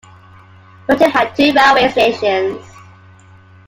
Wilton had two railway stations.